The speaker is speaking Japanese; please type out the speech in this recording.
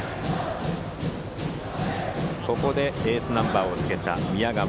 ここでエースナンバーをつけた宮川。